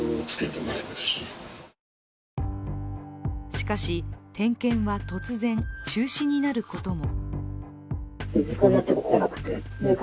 しかし、点検は突然中止になることも。